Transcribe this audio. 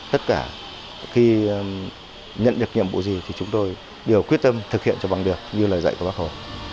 tất cả khi nhận được nhiệm vụ gì thì chúng tôi đều quyết tâm thực hiện cho bằng được như lời dạy của bác hồ